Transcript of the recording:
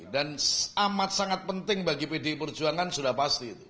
dan amat sangat penting bagi pd perjuangan sudah pasti